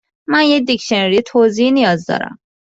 من یک دیکشنری توضیحی نیاز دارم.